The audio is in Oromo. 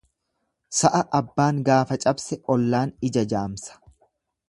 Sa'a abbaan gaafa cabse ollaan ija jaamsa.